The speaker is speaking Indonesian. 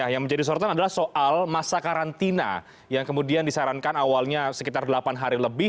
yang menjadi sorotan adalah soal masa karantina yang kemudian disarankan awalnya sekitar delapan hari lebih